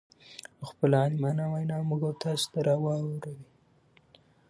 او خپله عالمانه وينا موږ او تاسو ته را واور وي.